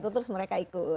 terus mereka ikut gitu